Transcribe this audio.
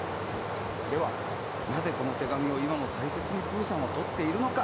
では、なぜこの手紙を今も大切にぷぅさんはとっているのか。